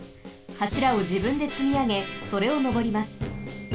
はしらをじぶんでつみあげそれをのぼります。